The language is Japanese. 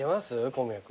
小宮君。